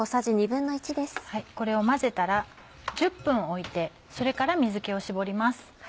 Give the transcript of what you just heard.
これを混ぜたら１０分おいてそれから水気を絞ります。